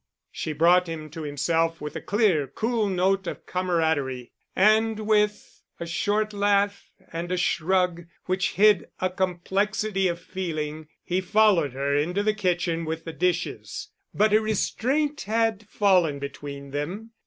She brought him to himself with the clear, cool note of camaraderie, and with a short laugh and a shrug which hid a complexity of feeling, he followed her into the kitchen with the dishes. But a restraint had fallen between them.